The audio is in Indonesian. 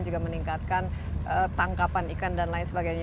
juga meningkatkan tangkapan ikan dan lain sebagainya